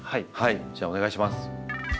じゃあお願いします。